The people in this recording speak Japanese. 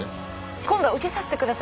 今度は受けさせて下さい。